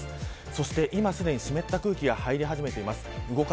そして今すぐに湿った空気が入り込んでいます。